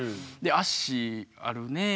「足あるね。